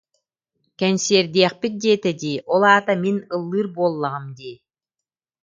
Кэнсиэрдиэхпит диэтэ дии, ол аата мин ыллыыр буоллаҕым дии